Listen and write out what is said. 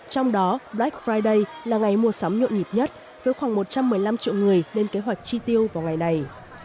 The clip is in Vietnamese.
trong đó black friday là ngày mua sắm nhộn nhịp nhất với khoảng một trăm một mươi năm triệu người lên kế hoạch chi tiêu vào ngày này